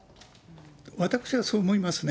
私はそう思いますね。